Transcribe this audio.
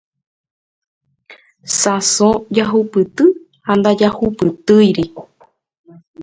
Sãso jahupyty ha ndajahupytýiri.